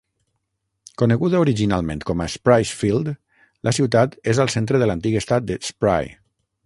Coneguda originalment com a Spry's Field, la ciutat és al centre de l'antic estat de Spry.